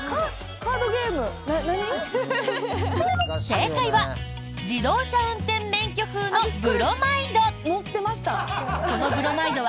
正解は自動車運転免許風のブロマイド。